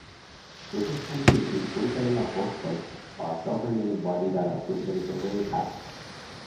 প্রতিষ্ঠানটি একটি পরিচালনা পর্ষদ বা গভর্নিং বডি দ্বারা পরিচালিত হয়ে থাকে।